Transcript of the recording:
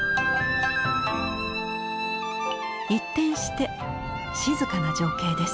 一転して静かな情景です。